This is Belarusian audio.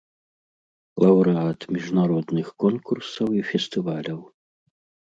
Лаўрэат міжнародных конкурсаў і фестываляў.